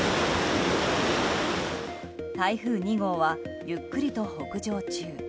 台風２号は、ゆっくりと北上中。